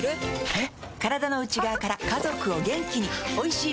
えっ？